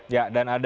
ya dan ada